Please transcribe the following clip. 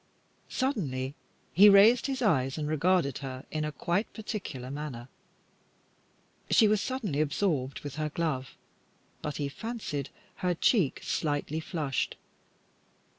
Suddenly he raised his eyes and regarded her in a quite particular manner. She was suddenly absorbed with her glove, but he fancied that her cheek slightly flushed.